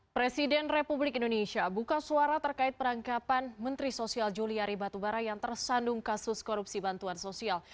presiden republik indonesia buka suara terkait perangkapan menteri sosial juliari batubara yang tersandung kasus korupsi bantuan sosial